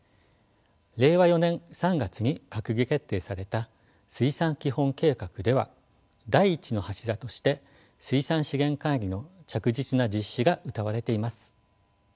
令和４年３月に閣議決定された水産基本計画では第一の柱として水産資源管理の着実な実施がうたわれています。